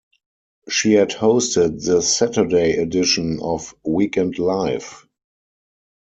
She had hosted the Saturday edition of "Weekend Live".